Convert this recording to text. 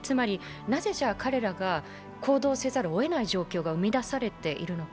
なぜ彼らが行動せざるをえない状況が生み出されているのか。